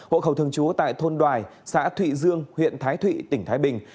hộ khẩu thường trú tại thôn đoài xã thụy dương huyện thái thụy tỉnh thái bình